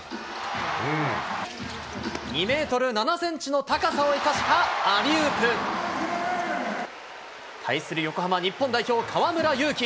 ２メートル７センチの高さを生かしたアリウープ。対する横浜、日本代表、河村勇輝。